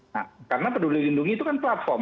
nah karena peduli lindungi itu kan platform